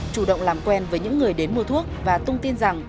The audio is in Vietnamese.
chủ động làm quen với những người đến mua thuốc và tung tin rằng